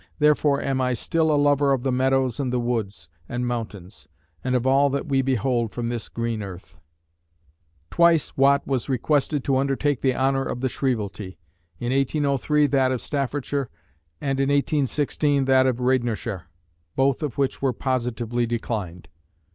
Therefore am I still A lover of the meadows and the woods, And mountains; and of all that we behold From this green earth. Twice Watt was requested to undertake the honor of the shrievalty; in 1803 that of Staffordshire, and in 1816 that of Radnorshire, both of which were positively declined.